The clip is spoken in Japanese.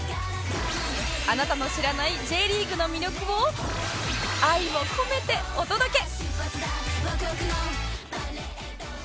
あなたの知らない Ｊ リーグの魅力を愛を込めてお届け！